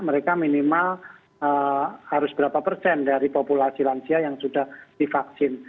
mereka minimal harus berapa persen dari populasi lansia yang sudah divaksin